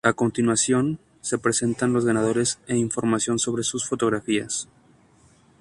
A continuación se presentan los ganadores e información sobre sus fotografías.